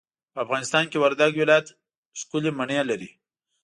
په افغانستان کي وردګ ولايت ښکلې مڼې لري.